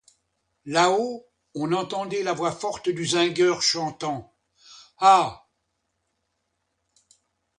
Là-haut, on entendait la voix forte du zingueur chantant: Ah!